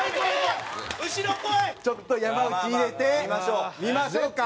ちょっと山内入れて見ましょうか。